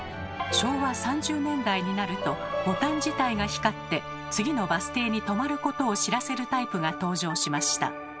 昭和３０年代になるとボタン自体が光って次のバス停にとまることを知らせるタイプが登場しました。